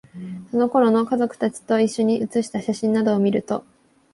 その頃の、家族達と一緒に写した写真などを見ると、